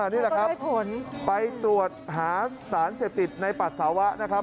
นี่แหละครับไปตรวจหาสารเสพติดในปัสสาวะนะครับ